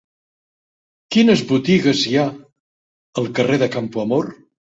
Quines botigues hi ha al carrer de Campoamor?